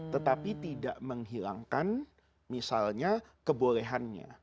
tetapi tidak menghilangkan misalnya kebolehannya